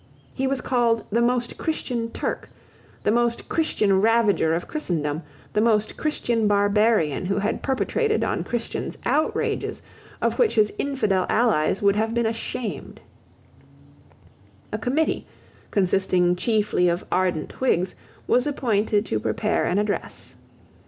He was called the most Christian Turk, the most Christian ravager of Christendom, the most Christian barbarian who had perpetrated on Christians outrages of which his infidel allies would have been ashamed, A committee, consisting chiefly of ardent Whigs, was appointed to prepare an address.